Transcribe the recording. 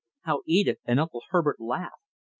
How Edith and Uncle Herbert laughed!